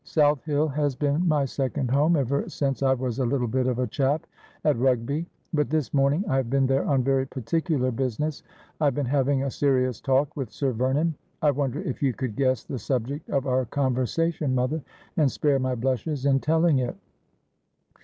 South Hill has been my second home ever since I was a little bit of a chap at Rugby. But this morning I have been there on very particular business. I have been having a serious talk with Sir Vernon. I wonder if you could guess the subject of our conversation, mother, and spare my blushes in telling it?'